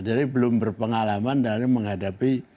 jadi belum berpengalaman dari menghadapi